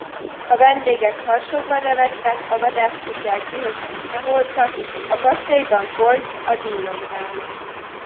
A vendégek harsogva nevettek, a vadászkutyák dühösen csaholtak; a kastélyban folyt a dínomdánom.